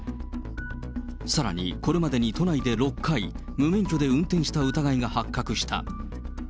さらに、これまでに都内で６回、無免許で運転した疑いが発覚した。